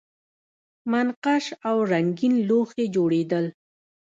منقش او رنګین لوښي جوړیدل